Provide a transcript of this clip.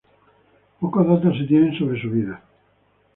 Pocos datos se tienen sobre su vida.